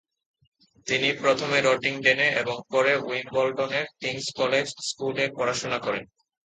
তিনি প্রথমে রটিংডেনে এবং পরে উইম্বলডনের কিংস কলেজ স্কুলে পড়াশোনা করেন।